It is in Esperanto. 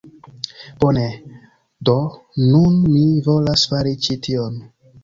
Bone, do, nun mi volas fari ĉi tion!